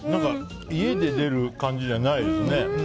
家で出る感じじゃないですね。